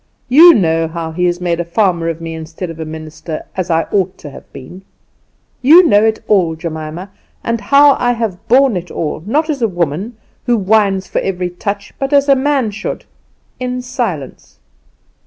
You know how he has made a farmer of me instead of a minister, as I ought to have been; you know it all, Jemima; and how I have borne it all, not as a woman, who whines for every touch, but as a man should in silence.